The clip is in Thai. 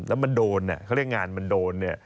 แล้วมันโดนเขาเรียกงานมันโดน